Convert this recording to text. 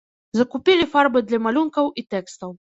Закупілі фарбы для малюнкаў і тэкстаў.